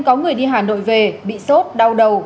có người đi hà nội về bị sốt đau đầu